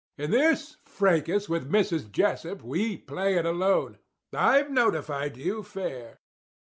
In this fracas with Mrs. Jessup we play it alone. I've notified you fair.